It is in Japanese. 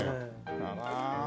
あら。